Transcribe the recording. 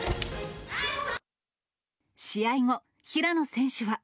試合後、平野選手は。